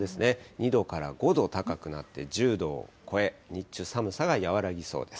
２度から５度高くなって、１０度を超え、日中、寒さが和らぎそうです。